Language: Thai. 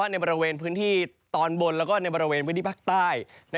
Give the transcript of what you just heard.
ในบริเวณพื้นที่ตอนบนแล้วก็ในบริเวณพื้นที่ภาคใต้